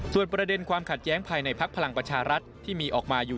ส่วนประเด็นความขัดแย้งภายในพักพลังประชารัฐที่มีออกมาอยู่